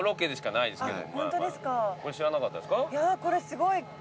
これすごい。